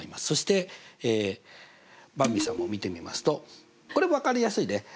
そしてばんびさんも見てみますとこれも分かりやすいね。